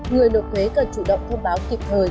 người nộp thuế cần chủ động thông báo kịp thời